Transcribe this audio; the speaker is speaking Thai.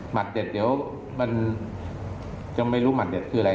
หมัดเจ็ดเดี๋ยวมันจะไม่รู้หมัดเจ็ดนะครับ